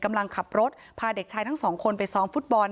กำลังขับรถพาเด็กชายทั้งสองคนไปซ้อมฟุตบอล